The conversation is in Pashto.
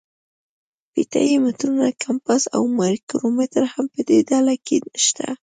فیته یي مترونه، کمپاس او مایکرومتر هم په دې ډله کې شته.